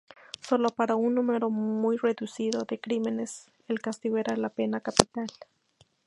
Solo para un número muy reducido de crímenes el castigo era la pena capital.